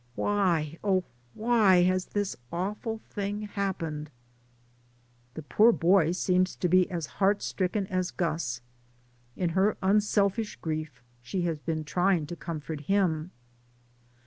Why, oh, why, has this awful thing happened ? The poor boy seems to be as heart stricken DAYS ON THE ROAD. 49 as Gus. In her unselfish grief she has been trying to comfort him.